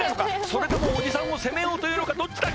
それともおじさんを攻めようというのかどっちだ？